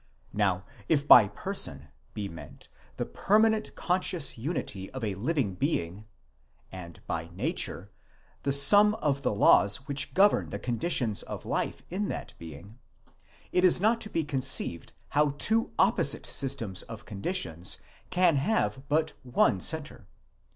Now if by person be meant the permanent conscious unity of a living being, and by nature, the sum of the laws which govern the conditions of life in that being : it is not to be conceived, how two opposite systems of conditions can have but one centre.